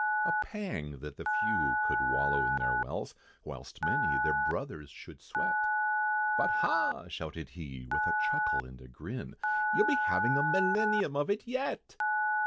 A pang, that the few could wallow in their wealth, Whilst many their brothers should sweat, "But ha!" shouted he, with a chuckle, and a grin, "You'll be having a millenium of it yet!"